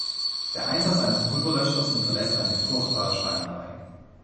Der Einsatz eines Pulverlöschers hinterlässt eine furchtbare Schweinerei.